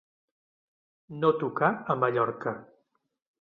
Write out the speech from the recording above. No tocar a Mallorca.